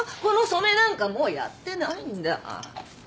この染めなんかもうやってないんだ。